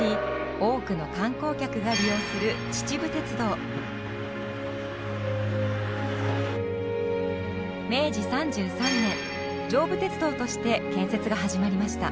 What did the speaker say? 多くの観光客が利用する明治３３年上武鉄道として建設が始まりました。